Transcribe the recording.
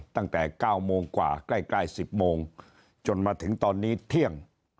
ตั้งแต่๙โมงกว่าใกล้๑๐โมงจนมาถึงตอนนี้เที่ยง